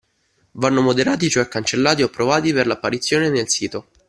Vanno moderati cioè cancellati o approvati per l’apparizione nel sito.